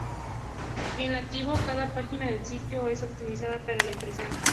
En nativo, cada página del sitio es optimizada para la impresión.